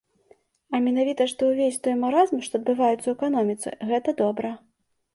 А менавіта, што ўвесь той маразм, што адбываецца ў эканоміцы, гэта добра.